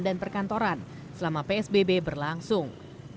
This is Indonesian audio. dan perkantoran selama psbb berlangsung